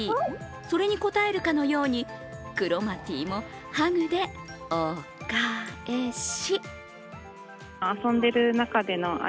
それに応えるかのように、クロマティーもハグでお・か・え・し。